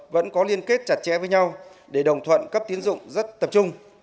vẫn có liên kết chặt chẽ với nhau để đồng thuận cấp tiến dụng rất tập trung